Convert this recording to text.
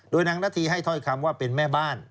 โดยนางนาธีให้ถ้อยคำว่าเป็นแม่บ้าน